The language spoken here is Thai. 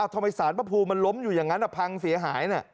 ทำไมศาลประภูมิมันล้มอยู่อย่างนั้นแล้วพังเสียหายน่ะ